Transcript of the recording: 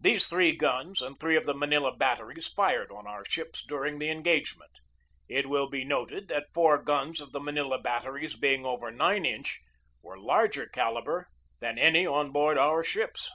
These three guns and three of the Manila batteries fired on our ships during the engagement. It will be noted that four guns of the Manila bat teries being over 9 inch were larger calibre than any on board our ships.